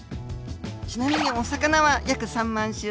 ちなみにお魚は約３万種。